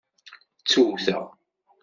Ttewteɣ.